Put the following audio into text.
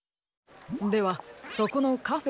ではそこのカフェ